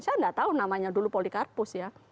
saya nggak tahu namanya dulu polikarpus ya